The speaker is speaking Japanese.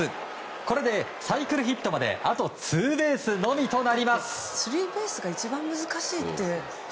これでサイクルヒットまであとツーベースのみとなります。